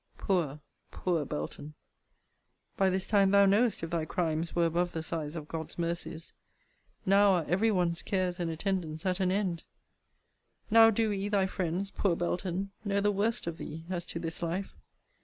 Poor, poor Belton! by this time thou knowest if thy crimes were above the size of God's mercies! Now are every one's cares and attendance at an end! now do we, thy friends, poor Belton! know the worst of thee, as to this life!